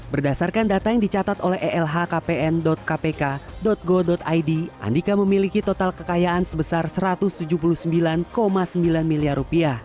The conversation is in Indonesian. berdasarkan data yang dicatat oleh elhkpn kpk go id andika memiliki total kekayaan sebesar rp satu ratus tujuh puluh sembilan sembilan miliar